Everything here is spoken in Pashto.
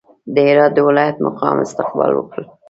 د هرات د ولایت مقام استقبال وکړ.